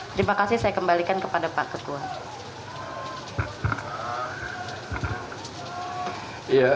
terima kasih saya kembalikan kepada pak ketua